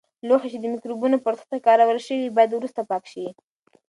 لوښي چې د مکروبونو پر سطحې کارول شوي وي، باید وروسته پاک شي.